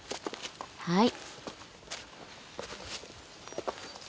はい。